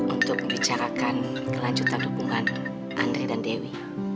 untuk bicarakan kelanjutan dukungan andri dan dewi